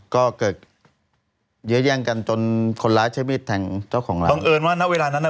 ก็เกิดเยอะแย่งกันจนคนร้ายใช้มีดแทงเจ้าของร้านบังเอิญว่าณเวลานั้นน่ะ